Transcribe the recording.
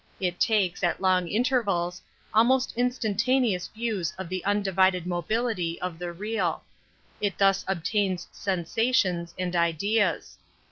It takes, at long intervals, almost instantaneous views of the undivided mobility of the real It thus obtains sensations and ideas.